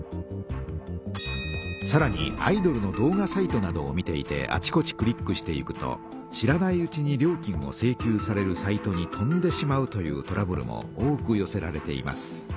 さらにアイドルの動画サイトなどを見ていてあちこちクリックしていくと知らないうちに料金を請求されるサイトに飛んでしまうというトラブルも多くよせられています。